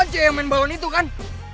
nah lu kan cewe main bawan itu kan